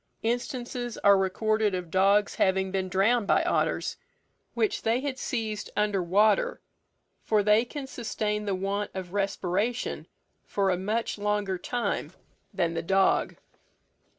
Instances are recorded of dogs having been drowned by otters, which they had seized under water, for they can sustain the want of respiration for a much longer time than the dog.